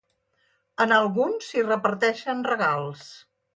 En alguns, s'hi reparteixen regals.